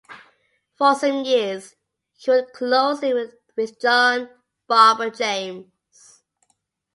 For some years he worked closely with John Barbour-James.